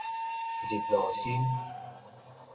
日落申